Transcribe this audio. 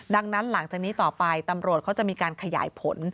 ดังนั้นหลังจากนี้ต่อไปตำรวจเขาจะมีการขยายผล